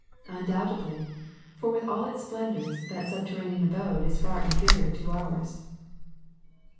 ''*^ Undoubtedly; for with all its splendors that sub terranean abode is far inferior to ours.